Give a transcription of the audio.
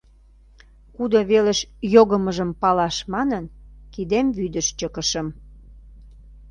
Кудо велыш йогымыжым палаш манын, кидем вӱдыш чыкышым.